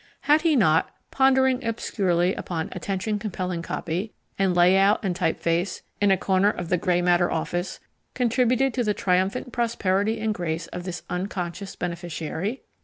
Had he not, pondering obscurely upon "attention compelling" copy and lay out and type face, in a corner of the Grey Matter office, contributed to the triumphant prosperity and grace of this unconscious beneficiary?